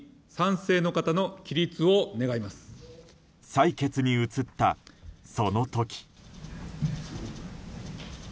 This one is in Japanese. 採決に移った、その時。